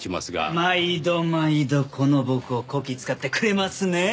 毎度毎度この僕をこき使ってくれますね！